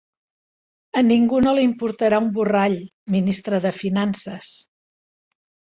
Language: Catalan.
a ningú no li importarà un borrall, Ministre de Finances